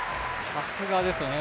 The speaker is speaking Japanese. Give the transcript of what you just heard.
さすがですよね